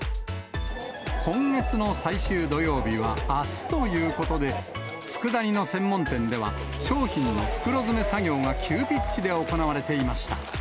今月の最終土曜日はあすということで、つくだ煮の専門店では、商品の袋詰め作業が急ピッチで行われていました。